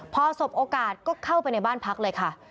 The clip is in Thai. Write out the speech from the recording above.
พอสบโอกาสก็เข้าไปในบ้านพักเลยค่ะ